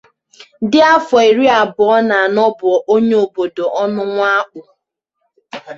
dị afọ iri abụọ na anọ bụ onye obodo Onunwakpu